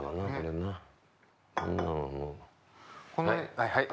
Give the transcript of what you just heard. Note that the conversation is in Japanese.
はいはい。